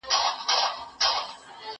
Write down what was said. زه له سهاره چپنه پاکوم؟!